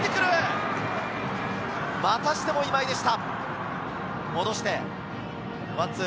またしても今井でした。